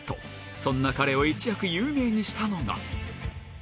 そんな彼を一躍有名にしたのが。